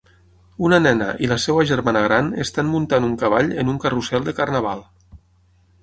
Una nena i la seva germana gran estan muntant un cavall en un carrusel de Carnaval